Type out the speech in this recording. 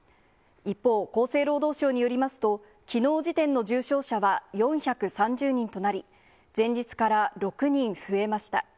一方、厚生労働省によりますと、きのう時点の重症者は４３０人となり、前日から６人増えました。